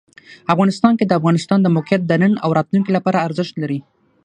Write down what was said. افغانستان کې د افغانستان د موقعیت د نن او راتلونکي لپاره ارزښت لري.